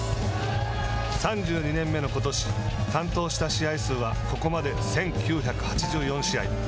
３２年目のことし担当した試合数はここまで１９８４試合。